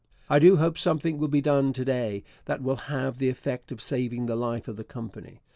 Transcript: I do hope something will be done to day that will have the effect of saving the life of the Company.